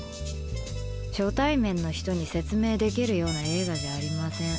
初対面の人に説明できるような映画じゃありません。